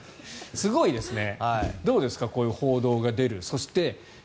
すごいですね。